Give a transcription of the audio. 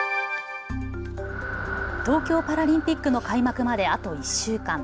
東京パラリンピックの開幕まであと１週間。